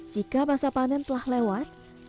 jika masa panen telah lewat